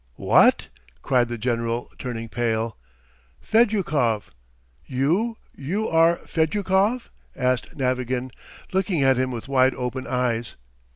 ..." "What!" cried the general, turning pale. "Fedyukov." "You, ... you are Fedyukov?" asked Navagin, looking at him with wide open eyes.